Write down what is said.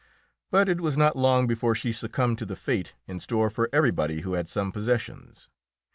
But it was not long before she succumbed to the fate in store for everybody who had some possessions.